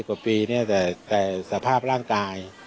กว่าปีเนี่ยแต่สภาพร่างกาย